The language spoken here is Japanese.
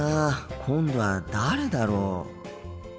今度は誰だろう。